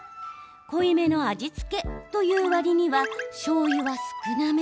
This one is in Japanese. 濃いめの味付けというわりにはしょうゆは少なめ。